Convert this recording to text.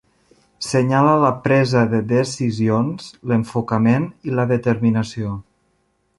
Senyala la presa de decisions, l"enfocament i la determinació.